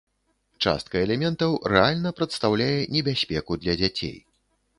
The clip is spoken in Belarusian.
Частка элементаў рэальна прадстаўляе небяспеку для дзяцей.